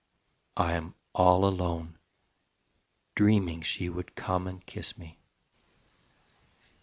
I am all alone, dreaming she would come and kiss me.